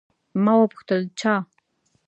ما وپوښتل، چا؟